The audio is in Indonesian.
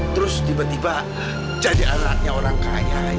terus tiba tiba jadi anaknya orang kaya